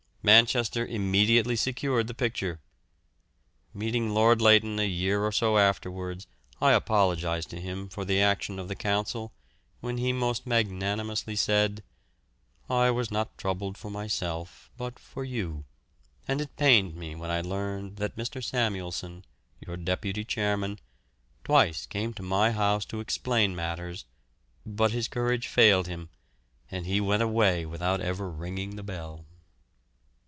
Manchester immediately secured the picture. Meeting Lord Leighton a year or so afterwards I apologised to him for the action of the Council, when he most magnanimously said, "I was not troubled for myself, but for you, and it pained me when I heard that Mr. Samuelson, your deputy chairman, twice came to my house to explain matters, but his courage failed him, and he went away without even ringing the bell."